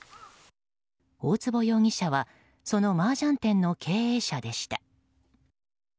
大坪容疑者はそのマージャン店の経営者でした。